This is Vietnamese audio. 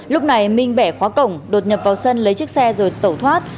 lúc này minh bẻ khóa cổng đột nhập vào sân lấy chiếc xe rồi tẩu thoát